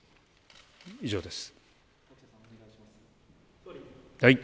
以上です。